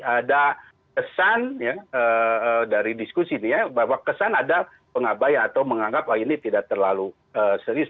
ada kesan dari diskusi ini ya bahwa kesan ada pengabay atau menganggap ini tidak terlalu serius